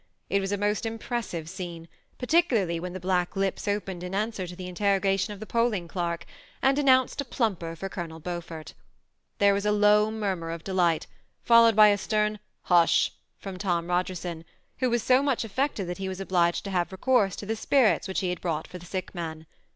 It was a most impressive scene, particularly when the black lips opened in answer to the interrogation of the polling clerk, and announced a plumper for Colonel THE SEMI ATTAOHED COUPLE. 281 Beaufort There was a low murmur of delight, fol lowed by a stem "H«sh" from Tom Bogerson, who was so much affected that he was obliged to have recourse to the spirit8 which be had brought for the sick man.